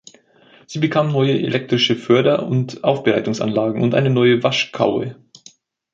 Sie bekam neue elektrische Förder- und Aufbereitungsanlagen und eine neue Waschkaue.